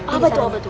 oh gitu ya gitu